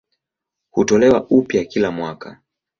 Hutolewa upya kila mwaka.